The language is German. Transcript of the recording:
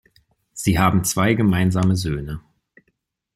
Sie haben zwei gemeinsame Söhne.